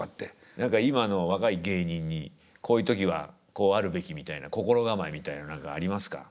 何か今の若い芸人にこういう時はこうあるべきみたいな心構えみたいなの何かありますか？